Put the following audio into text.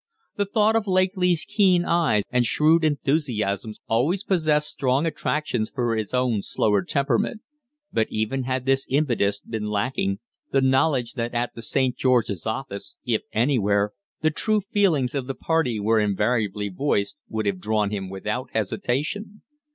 The thought of Lakely's keen eyes and shrewd enthusiasms always possessed strong attractions for his own slower temperament, but even had this impetus been lacking, the knowledge that at the 'St. George's' offices, if anywhere, the true feelings of the party were invariably voiced would have drawn him without hesitation.